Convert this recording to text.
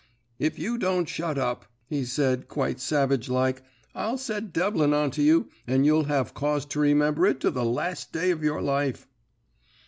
"'If you don't shut up,' he said, quite savage like, 'I'll set Devlin on to you, and you'll have cause to remember it to the last day of your life!'